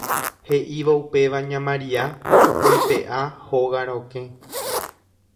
he'ívo upéva ña Maria oipe'a hóga rokẽ